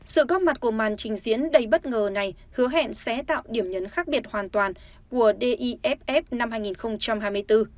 sự góp mặt của màn trình diễn đầy bất ngờ này hứa hẹn sẽ tạo điểm nhấn khác biệt hoàn toàn của diff năm hai nghìn hai mươi bốn